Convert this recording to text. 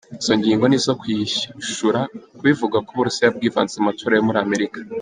Izo ngingo ni izo kwishura kubivugwa ko Uburusiya bwivanze mu matora yo muri Amerika.